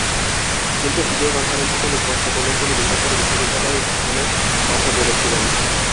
কিন্তু ভিডিও কনফারেন্সে তিনি স্পষ্ট করলেন, তিনি বেসরকারি বিশ্ববিদ্যালয় স্থাপনের কথা বলেছিলেন।